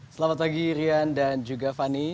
selamat pagi rian dan juga fani